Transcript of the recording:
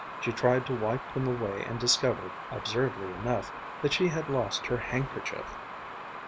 She tried to wipe them away and discovered, absurdly enough, that she had lost her handkerchief.